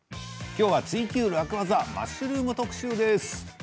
今日は「ツイＱ楽ワザ」マッシュルーム特集です。